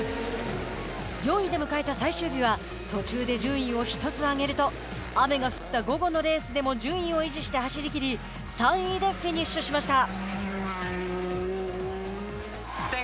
４位で迎えた最終日は途中で順位を１つ上げると雨で降った午後のレースでも順位を維持して走りきり３位でフィニッシュしました。